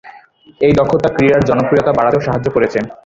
এই দক্ষতা ক্রীড়ার জনপ্রিয়তা বাড়াতেও সাহায্য করেছে।